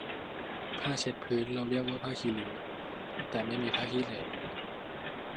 ผ้าเช็ดพื้นเราเรียกว่าผ้าขี้ริ้ว แต่ไม่มีผ้าขี้เหร่